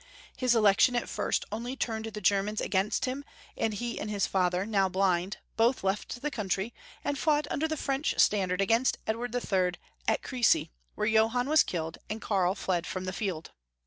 His election at first only turned the Germans against him, and he and his father, now blind, both left the country, and fought imder the French standard against Edward III. at Crecy, where Johann was killed, and Karl fled from the field.